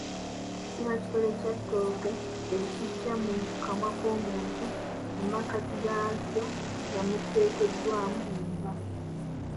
Kiba kitole kya ttooke ekigya mu kamwa k'omuntu mu makkati gaaky'o nga muteekeddwaamu enva.